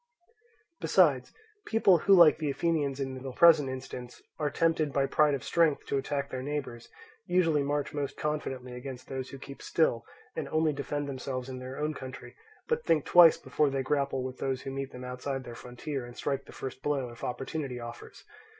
Besides, people who, like the Athenians in the present instance, are tempted by pride of strength to attack their neighbours, usually march most confidently against those who keep still, and only defend themselves in their own country, but think twice before they grapple with those who meet them outside their frontier and strike the first blow if opportunity offers.